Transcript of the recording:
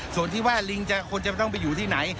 ส่วนที่ว่าลิงควรจะต้องไปอยู่ที่ไหน